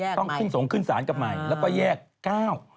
ต้องขึ้นสงขึ้นศาลกับใหม่แล้วก็แยกเก้า